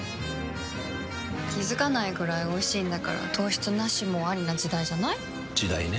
気付かないくらいおいしいんだから糖質ナシもアリな時代じゃない？時代ね。